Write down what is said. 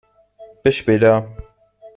Bis später!